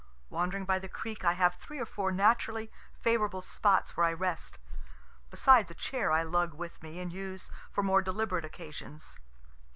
Wandering by the creek, I have three or four naturally favorable spots where I rest besides a chair I lug with me and use for more deliberate occasions.